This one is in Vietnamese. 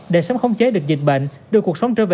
để sớm khống chế được dịch bệnh đưa cuộc sống trở về